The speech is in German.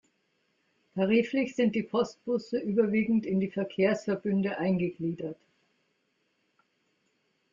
Tariflich sind die Postbusse überwiegend in die Verkehrsverbünde eingegliedert.